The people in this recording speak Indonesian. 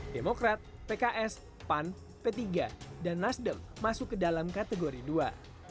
demokrat pks pan p tiga dan nasdem masuk ke dalam kategori dua